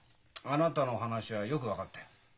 あなたの話はよく分かったよ。